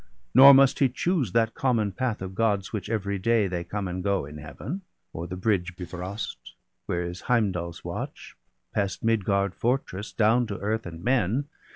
Nor must he choose that common path of Gods Which every day they come and go in Heaven, . O'er the bridge Bifrost, where is Heimdall's watch, Past Midgard fortress, down to earth and men.